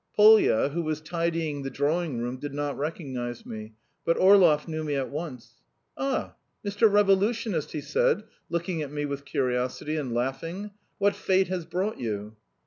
Polya, who was tidying the drawing room, did not recognise me, but Orlov knew me at once. "Ah, Mr. Revolutionist!" he said, looking at me with curiosity, and laughing. "What fate has brought you?"